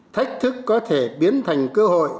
thách thức có thể biến thành cơ hội